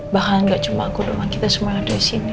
bahkan gak cuma aku doang kita semua ada disini